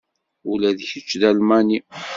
Ula d kečč d Almani?